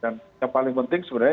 dan yang paling penting sebenarnya